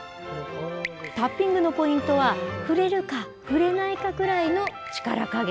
タッピングのポイントは、触れるか触れないかくらいの力加減。